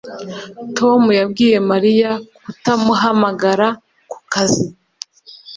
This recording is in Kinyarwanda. Tom yabwiye Mariya kutamuhamagara ku kazi